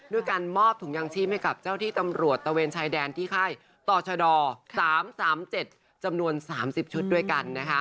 ด้วยการมอบถุงยางชีพให้กับเจ้าที่ตำรวจตะเวนชายแดนที่ค่ายต่อชด๓๓๗จำนวน๓๐ชุดด้วยกันนะคะ